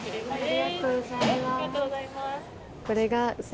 ありがとうございます。